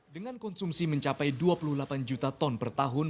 dengan konsumsi mencapai dua puluh delapan juta ton per tahun